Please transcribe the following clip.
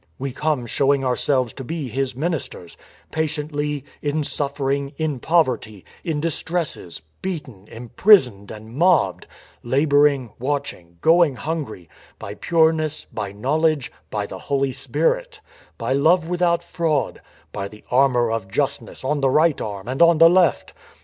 ... We come show ing ourselves to be His Ministers — patiently, in suf fering, in poverty, in distresses, beaten, imprisoned and mobbed; labouring, watching, going hungry; by pureness, by knowledge, by the Holy Spirit; by love without fraud; by the armour of justness on the right 230 STORM AND STRESS arm and on the left